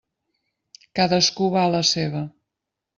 Cadascú va a la seva.